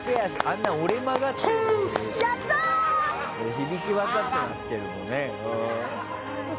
響き渡ってますけどね。